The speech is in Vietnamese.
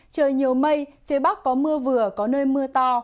trời nhiều mây phía bắc có mưa vừa có nơi mưa to